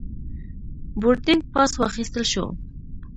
بوردینګ پاس واخیستل شو.